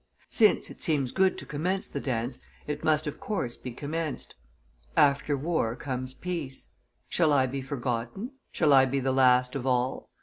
Since it seems good to commence the dance, it must of course be commenced. After war comes peace. Shall I be forgotten? Shall I be the last of all?